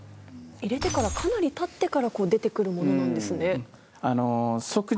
入れてからかなりたって出てくるものなんですね。